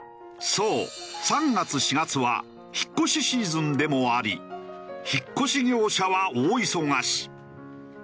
そう３月４月は引っ越しシーズンでもあり引っ越し業者は大忙し。